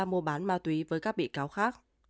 bà hiền đã mua bán ma túy với các bị cáo khác